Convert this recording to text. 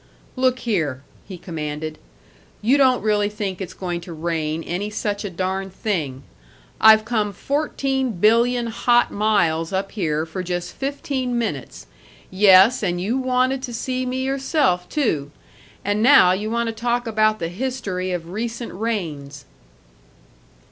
"Look here," he commanded, "you don't really think it's going to rain any such a darn thing! I've come fourteen billion hot miles up here for just fifteen minutes yes, and you wanted to see me yourself, too! And now you want to talk about the history of recent rains."